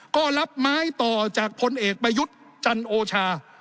ก็รับไม้ต่อจากพลเอกประยุทธ์จันโอชา